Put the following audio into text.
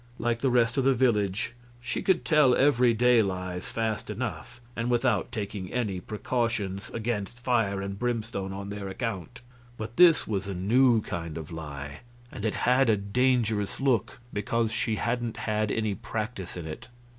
Like the rest of the village, she could tell every day lies fast enough and without taking any precautions against fire and brimstone on their account; but this was a new kind of lie, and it had a dangerous look because she hadn't had any practice in it.